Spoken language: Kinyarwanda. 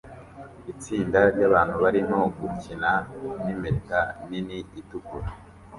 Itsinda ryabantu barimo gukina nimpeta nini itukura